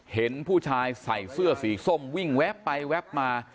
เห็นผู้ชายใส่เสื้อสีส้มวิ่งแว๊บไปแวบมา